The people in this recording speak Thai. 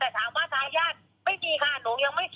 แต่ถามว่าท้ายญาติไม่มีค่ะ